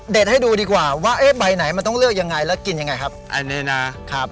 ให้ดูดีกว่าว่าเอ๊ะใบไหนมันต้องเลือกยังไงแล้วกินยังไงครับอันนี้นะครับ